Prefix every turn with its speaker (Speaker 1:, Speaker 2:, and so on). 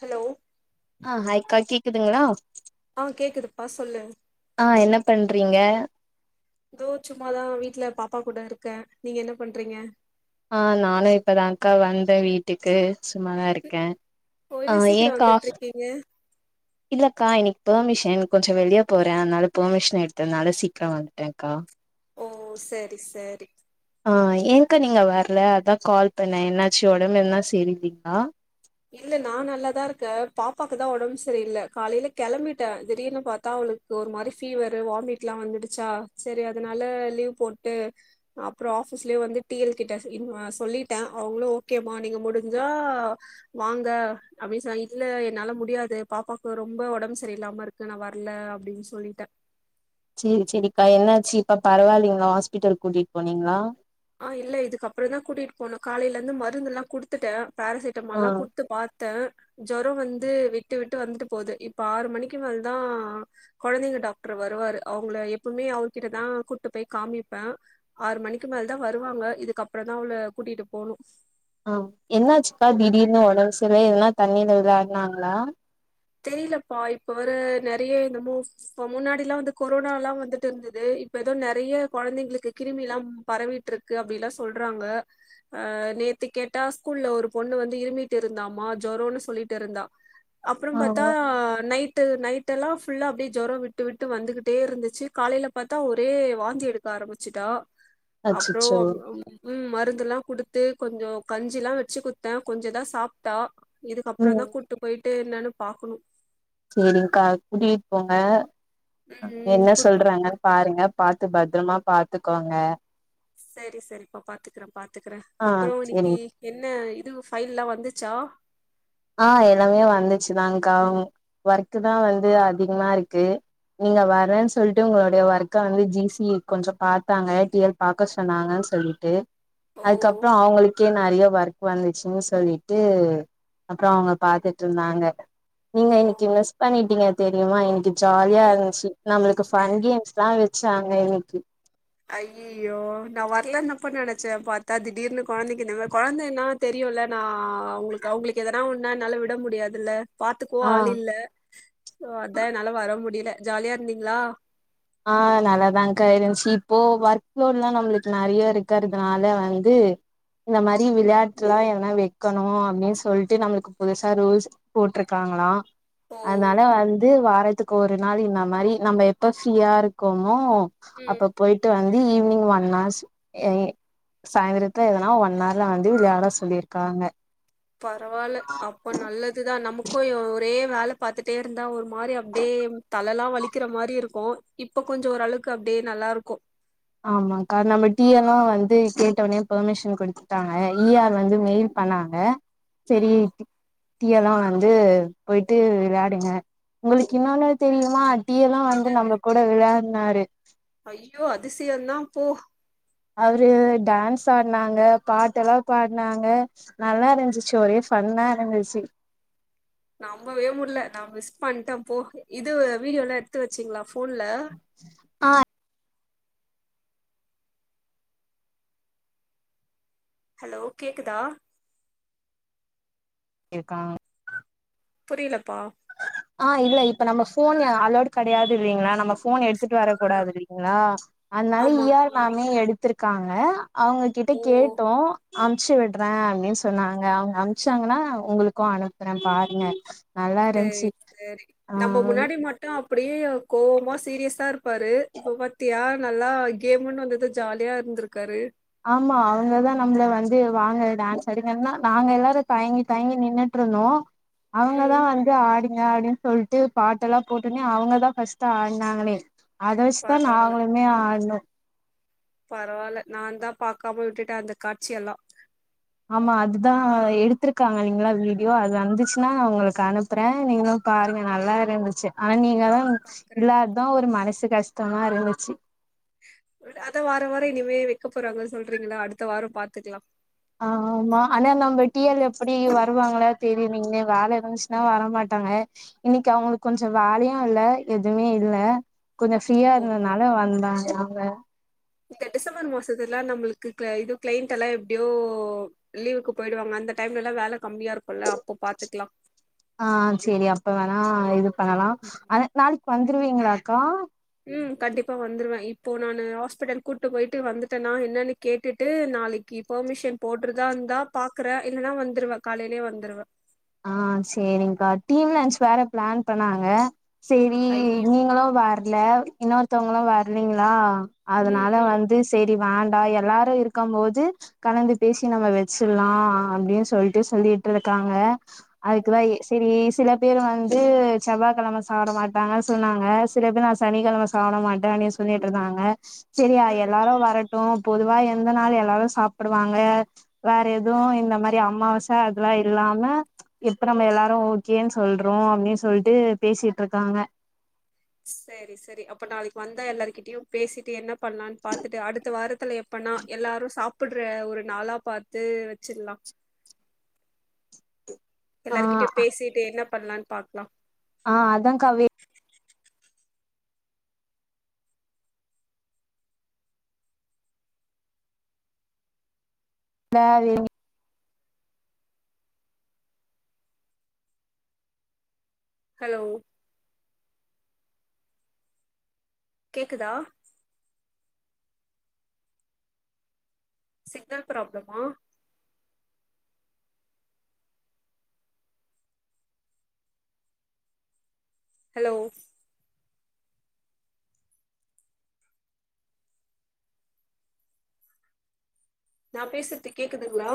Speaker 1: hello
Speaker 2: க்குதுங்களா
Speaker 1: ஆஹ் கேக்குதுப்பா சொல்லு
Speaker 2: ன் றீங்க
Speaker 1: ப்ரோ சும்மாதான் வீட்டுல பாப்பா கூட இருக்கேன் நீங்க என்ன பண்றீங்க
Speaker 2: ஆஹ் நானும் இப்பதான் அக்கா வந்தேன் வீட்டுக்கு சும்மாதான் இருக்கேன்
Speaker 1: ஓ என்ன
Speaker 2: ஆஹ்
Speaker 1: சீக்கிரோ
Speaker 2: ஏன் கா
Speaker 1: வந்துட்ருக்கீங்க
Speaker 2: இல்லக்கா இன்னைக்கு பெர்மிஷன் கொஞ்சம் வெளியே போறேன் அதனால பெர்மிஷன் எடுத்ததுனால சீக்கிரம் வந்துட்டேன்க்கா
Speaker 1: ஓ செரி செரி
Speaker 2: அக்கா நீங்க வரல அதான் கால் பண்ணன் என்னாச்சும் உடம்புந்தான் சரியல்லைங்களா
Speaker 1: இல்ல நான் நல்லாதான் இருக்கேன் பாப்பாக்குதான் உடம்பு சரிய இல்ல காலையில கிளம்பிட்டேன் திடீர்னு பார்த்தா அவளுக்கு ஒரு மாதிரி ஃபீவரு வாமிட் எல்லாம் வந்துடுச்சா சரி அதனால லீவ் போட்டு அப்புறம் ஆபீஸ்லயே வந்து டி எல் கிட்டேன் சொல்லிட்டேன் அவங்களும் ஓகேமா நீங்க முடிஞ்சாஆ வாங்க அப்படின்னு சொல்ல என்னால முடியாது பாப்பாவுக்கு ரொம்ப உடம்பு சரிய இல்லாம இருக்கு நான் வரல அப்படின்னு சொல்லிட்டேன்
Speaker 2: சேரி சேரிக்கா என்னாச்சு இப்ப பரவாயில்லைங்களா ஹாஸ்பிட்டல் கூட்டிட்டு போனீங்களா
Speaker 1: ஆஹ் இல்ல இதுக்கு அப்புறம் தான் கூட்டிட்டு போகனும் காலையில இருந்து மருந்து எல்லாம் குடுத்துட்டேன் பாரசிட்டமால்
Speaker 2: ஆ
Speaker 1: எல்லாம் குடுத்து பார்த்த ன் ஜொரம் வந்து விட்டு விட்டு வந்துட்டு போகுது இப்ப ஆறு மணிக்கு மேல தான் குழந்தைங்க டாக்டர் வருவாரு அவங்கள எப்பவுமே அவகிட்டதான் கூட்டு போய் காமிப்பேன் ஆறு மணிக்கு மேல தா தான் வருவாங்க இதுக்கு அப்புறோ தான் அவள கூட்டிட்டு போகணும்
Speaker 2: ஆஹ் என்னாச்சுக்கா திடீர்னு உடம் சர்ல என்னா தண்ணில எதும் விளாடுனாங்களா
Speaker 1: தெரியலப்பா இப்ப வர நிறைய என்னமோ இப்ப முன்னாடிலாம் வந்து கொரோனாலாம் வந்துட்டு இருந்தது இப்ப ஏதோ நிறைய குழந்தைங்களுக்கு கிருமிலாம் பரவிட்டு இருக்கு அப்படில்லாம் சொல்றாங்க அஹ் நேத்து கேட்டா ஸ்கூல்ல ஒரு பொண்ணு வந்து இருமிட்டு இருந்தாமா ஜொரோன்னு சொல்லிட்டு இருந்தா அப்பரோம்
Speaker 2: ஆ
Speaker 1: பாத் தா நைட்டு நைட் ட்டெல்லா ஃபுல்லா அப்படியே ஜுரம் விட்டு விட்டு வந்துகிட்டே இருந்துச்சு காலையில பார்த்தா ஒரே வாந்தி எடுக்க ஆரம்பிச்சுட்டா அப்ரோ
Speaker 2: அச்சச்சோ
Speaker 1: உம் மருந்து எல்லாம் குடுத்து கொஞ்சம் கஞ்சி எல்லாம் வச்சு குடுத்தேன் கொஞ்சோதான் சாப்ட்டா இதுக்கப்றோதா
Speaker 2: ம்
Speaker 1: கூட்டு போயிட் என்னனு பா பாக்கணும்
Speaker 2: சேரிங்க்கா கூட்டிட்டு போங்க
Speaker 1: ம்
Speaker 2: என்ன
Speaker 1: கூட்டு
Speaker 2: சொல்றாங்க
Speaker 1: போறே
Speaker 2: பாருங்க பாத்து பத் பத்திரமா பாத்துக்கோங்க
Speaker 1: சரி சரிப்பா பாத்துக்கறேன் பாத்து பாத்துக்றே
Speaker 2: ஆ
Speaker 1: அப்ரோ இன்னைக்கு
Speaker 2: செரிங்
Speaker 1: என்ன இது ஃபைல்லா வந்துச்சா
Speaker 2: ஆ எல்லாமே வந்துச்சுதான்கா ஒர்க் தா வந்து அதிகமா இருக்கு நீங்க வர்ரேன்னு சொல்லிட்டு உங்களுடைய ஒர்க்க வந்து ஜிசி கொஞ்ச பார்த்தாங்க டிஎல் பாக்க சொன்னாங்கன்னு சொல்லிட்டு
Speaker 1: ஓ
Speaker 2: அதுக்கப்புறோ அவங்களுக்கே நிறைய ஒர்க் வந்துச்சுன்னு சொல்லிட்டு அப்றோ அவங்க பாத்துட்டுருந்தாங்க நீங்க இன்னைக்கு
Speaker 1: ஓகே
Speaker 2: மிஸ் பண்ணிட்டீங்க தெரியுமா இன்னைக்கு ஜாலியா இருந்துச்சு நம்மளுக்கு ஃபன் கேம்ஸ்லா வச்சாங்க இன்னைக்கி
Speaker 1: ஐயய்யோ நா வர்லான்னாப்பா நனைச்சே பார்த்தா திடீர்னு குழந்தைக்கு இந்த மாரி குழந்தைன்னா தெரியும்ல நா அவங்களுக்கு அவங்களுக்கு எதனா ஒன்னா என்னால விட முடியாதுல்ல பாத்துக்கவு
Speaker 2: ஆ
Speaker 1: ஆள் இல்ல சோ அதா என்னால வர முடியல ஜாலியா இருந்தீங்ளா
Speaker 2: ஆ நல்லதாக்க இருந்துச்சு இப்போ ஒர்க்லோடு் எல்லா நம்மளுக்கு நறைய இருக்கிறதுனால வந்து இந்த மாதிரி விளையாட்டுலா எதுனா வைக்கணு அப்படின்னு சொல்லிட்டு நம்மளுக்கு புதுசா ரூல்ஸ் போட்டிருக்காங்களா
Speaker 1: ஓ
Speaker 2: அதனாலே வந் இ வாரத்துக்கு ஒரு நாள் இந்த மாரி நம்ம எப்ப ஃப்யா இருக்கமோ
Speaker 1: ம்
Speaker 2: அப்ப போய்ட்டு வ வந்து ஈவினிங் ஒன் ஃகார்ஸு அ சாயந்திரத்த எதனா ஒன் ஆர்ல வந்து விளையாட சொல்லியிருக்காங்க
Speaker 1: பரவாயில்ல அப்போ நல்லதுதா நமக்கு ஒரே வேல பாத்துட்டே இருந்தா ஒரு மாரி அப்டே தலலா வலிக்கிற மாரி இருக்கு இப்ப கொஞ்ச ஓரளவுக்கு அப்படியே நல்லா இருக்கு
Speaker 2: ஆமாங்க்கா நம்ம டிஎல்லு வந்து கேட்ட ஒன்னே பெர்மிஷன் குடுத்துட்டாங்க இ ஆர்ரு வந்து மெயில் பண்ணாங்க சேரி
Speaker 1: ம்
Speaker 2: தியெல்லா வந்து போயிட்டு விளையாடுங்க உங்களுக்கு இன்னூன்னு தெரியுமா டீல்லா வந்து
Speaker 1: என்னது
Speaker 2: நம்ம கூட விளையாட் யாரு
Speaker 1: ஐயோ அதுசயதா போ
Speaker 2: அவரு டான்ஸ் ஆடினாங்க பாட்டு எல்லா பாடினாங்க நல்லா இருந்துச்சு ஒரே ஃபன்னா இருந்துச்சு
Speaker 1: நம வே முடல நா மிஸ் பண்ணிட்டே போ இது வீடியோல எடுத்து வச்சீங்களா ஃபோ
Speaker 2: ஆ
Speaker 1: ஹலோ கேக்குதா
Speaker 2: இருக்காக
Speaker 1: புரியலப்பா
Speaker 2: ஆ இல்ல இப்ப நம்ம ஃபோன்ல அலர்ட் கடையாது இல்வீங்களா நம ஃபோன் எடுத்து து ட்டு
Speaker 1: ஓ
Speaker 2: வரக்கூடாது இல்வீங்களா அதனால
Speaker 1: ஆமாமா
Speaker 2: ய நாமே எடுத்து காங்க அ அவங்க கிட்ட
Speaker 1: ஓ
Speaker 2: கேட்டோ அமுச்சு விடுறே அப்படின்னு சொன்னாங்க அவங்க அமிச்சாங்கன்னா உங்களுக்கு அனுப்புறே பாருங்க நல்லா இருந்
Speaker 1: சேரி சேரி நம்ம முன்னாடி மட்டு அப்பிடியே கோவமா சீரியஸா இருக் பாரு இப்ப பத்தியா நல்லா கேமுன்னு வந்தது ஜாலியா இருந்திருக்காரு
Speaker 2: ஆமா அவங்கதா நம்மள வந்து வாங்க டான்ஸ் அடிங்கன்னா நாங்க எல்லாரு தயங்கி தயங்கி நின்னுட்டு இருந்தோ அவுங்கதா
Speaker 1: ம்
Speaker 2: வந்து ஆடிங்க ஆடி சொல்ட்டு பாட்டெல்லா போட்டுடனே அவங்கதா ஃபர்ஸ்ட் ஆனாங்களே அத வச்சிதா நாங்களளுமே ஆடனோ
Speaker 1: பரவாயில்ல நா தா பாக்காம விட்டுட்டே அந்த காட்சி எல்லா
Speaker 2: ஆமா அதுதா எடுத்திருக்காங்க நீங்களா வீடியோ அது வந்துச்சுன்னா நா உங்களுக்கு அனுப்புறே நீங்களு பாருங்க நல்லா இருந்துச்சி ஆனா நீங் இன்னதா
Speaker 1: பாக்குறே
Speaker 2: இல்லாதா ஒரு மனசு கஷ் தத்மா இருந்துச்சி
Speaker 1: அத வாரோ வாரோ இனிமே வைக்க போறாங்கன் சொல்றீங்களா அடுத்த வாரோ பாத்துக்கலா
Speaker 2: ஆ ஆமா ஆனா நம்ம டீஎல் எப்பிடி வருவாங்க அவங்கள தெரியவிங்கன்னே வேல இருந்துச்சுன்னா வரமாட்டாங்க இன்னிக்கு அவுங்களுக்கு கொஞ்சோ வேலையு இல்ல எதுவுமே இல்ல கொஞ்சோ ஃப்ரீயா
Speaker 1: ஓ
Speaker 2: இருந்தனால வந்தாக வ
Speaker 1: இந்த டிசம்பர் மாசத்துல்லா நம்மளுக்கு இ கிளைண்ட் எல்லா எப்பிடியோ லீவுக்கு போயிடுவாங்க அந்த டைம்ல எல்லா வேல கம்மியா இருக்குல்ல அப்போ பாத்துக்கலா
Speaker 2: ஆ சேரி அப்ப வேணா இது பண்ணலா ஆனா நாளைக் வந்துருவீங்களா அக்கா
Speaker 1: ம் கண்டிப்பா வந்துருவே இப்போ நானு ஹாஸ்பிட்டல் கூட்டு போயிட்டு வந்துட்டே நா என்னென்னு கேட்டுட்டு நாளைக்கு பெர்மிஷன் போட்டுருதா இருந்தா பாக்குறே இல்லன்னா வந்துருவே காலையிலேயே வந்துருவே
Speaker 2: ஆ சேரிங்கா டீம் லன்ச்சி வேற பிளான் பண்ணாங்க சேரி
Speaker 1: ஐயோ
Speaker 2: நீங்களு வேர் இல்ல இன்னொருத்தவங்களு வர்லிங்களா
Speaker 1: ம்
Speaker 2: அதனால
Speaker 1: ம்
Speaker 2: வந்து சேர் டி வேண்டா எல்லாரு இருக்கம் போது கலந்து பேசி நம்ம வெச்சிர்லா அப்பிடின் சொல்ட்டு சொல்லிட்டு இருக்காங்க
Speaker 1: ஓ
Speaker 2: அதுக்குதா ஏ சேரி ஏசில பேர் வந்து செவ்வா கிழம சாப்டமாட்டாங்க சொன்னாங்க சில பேர் நா சனிகிழம சாப்ட மாட்டேன் சொல்லிட்டு இருந்தாங்க சேரியா
Speaker 1: ம்
Speaker 2: எல்லாருவரணு பொதுவா எந்த நாள் எல்லாரு சாப்புடுவாங்க வேற எதுவு இந்த மாரி அம்மாவாச அதுல்லா இல்லாம எப்ப நம்ம எல்லாரு ஓகேன் சொல்றோ அப்பிடின் சொல்ட்டு பேசிட்டு இருக்காங்க
Speaker 1: சேரி சேரி அப்ப நாளைக்கு வந்தா எல்லாருகிட்டயு பேசிட்டு என்ன பண்லான் பாத்துட்டு அடுத்த வாரத் த்துல எப்பனா எல்லாரும் சாப்புடுற ஒரு நாளா பாத்து வச்சிரலாம்
Speaker 2: ஆ
Speaker 1: எல்லாருகிட்டயும் பேசிட்டு என்னப் பண்லான்னு பாக்லாம்
Speaker 2: ஆஹ் அதாங்காவே தான் வேணும்
Speaker 1: ஹலோ கேக்குதா சிக்னல் ப்ராப்ளமா ஹலோ நான் பேசுறது கேக்குதுங்ளா